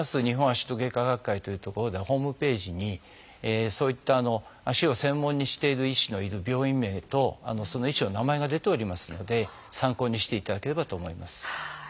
日本足の外科学会というところではホームページにそういった足を専門にしている医師のいる病院名とその医師の名前が出ておりますので参考にしていただければと思います。